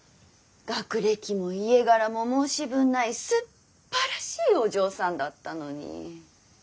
学歴も家柄も申し分ないすっばらしいお嬢さんだったのに。